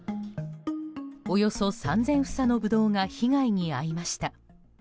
およそ３０００房のブドウが被害に遭いました。